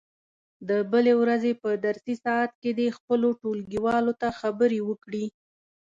د بلې ورځې په درسي ساعت کې دې خپلو ټولګیوالو ته خبرې وکړي.